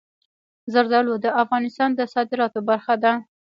زردالو د افغانستان د صادراتو برخه ده.